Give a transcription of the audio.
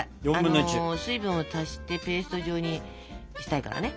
水分を足してペースト状にしたいからね。